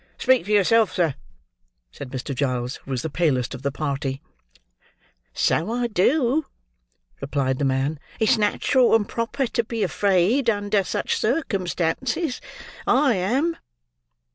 "Speak for yourself, sir," said Mr. Giles, who was the palest of the party. "So I do," replied the man. "It's natural and proper to be afraid, under such circumstances. I am."